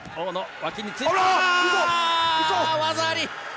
技あり！